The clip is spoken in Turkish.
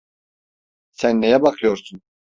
Sen neye bakıyorsun?